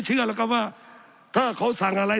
สับขาหลอกกันไปสับขาหลอกกันไป